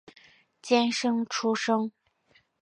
监生出身。